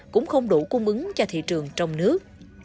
cũng không đủ cung ứng cho thị trường trong nước